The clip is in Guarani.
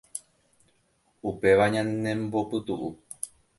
Upéva ñanembopytu'u.